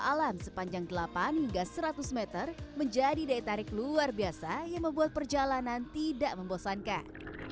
alam sepanjang delapan hingga seratus meter menjadi daya tarik luar biasa yang membuat perjalanan tidak membosankan